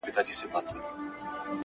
تېرول يې نرۍ ژبه پر برېتونو،